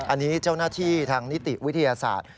อันนี้เจ้าหน้าที่ทางนิติวิทยาศาสตร์